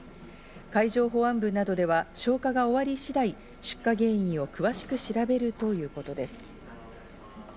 海上保安部などでは消火が終わり次第、出火原因を詳しく調べるということです。